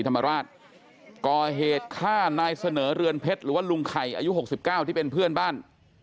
พระอาทิตย์หรือว่ารุงไข่อายุ๖๙ที่เป็นเพื่อนบ้าน